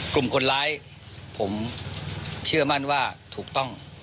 กลุ่มคนร้ายผมเชื่อมั่นว่าถูกต้อง